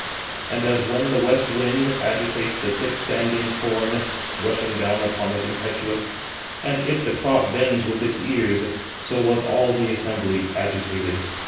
And as when the west wind 90 agitates the thick standing corn, rushing down upon it impetuous, and it [the crop] bends with its ears; so was all the assembly agitated.